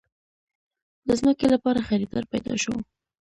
د ځمکې لپاره خريدار پېدا شو.